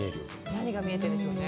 何が見えているんでしょうね。